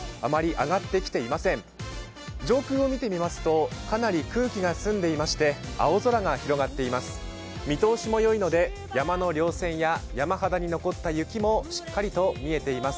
上空を見てみますと、かなり空気が澄んでいまして、青空が広がっています。